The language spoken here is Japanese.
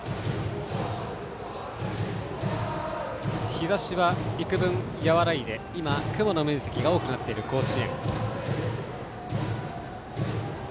日ざしは幾分和らいで今、雲の面積が多くなっている甲子園。